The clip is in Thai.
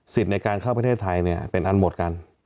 ในการเข้าประเทศไทยเป็นอันหมดกัน